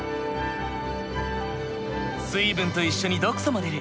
水分と一緒に毒素も出る。